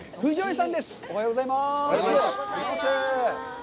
おはようございます。